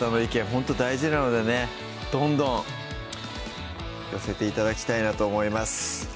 ほんと大事なのでねどんどん寄せて頂きたいなと思います